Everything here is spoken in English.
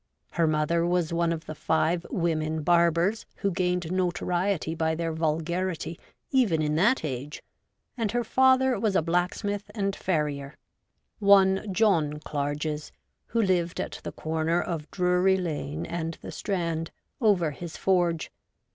Her mother was one of the five women barbers who gained notoriety by their vulgarity even in that age, and her father was a blacksmith and farrier, one John Clarges, who lived at the corner of Drury Lane and the Strand, over his forge.